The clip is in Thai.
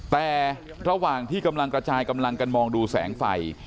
แต่ระหว่างที่กำลังกระจายกำลังกันมองดูแสงไฟ